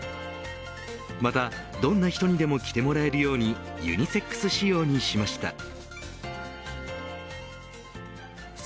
またどんな人にでも着てもらえるようにユニセックス仕様にしました。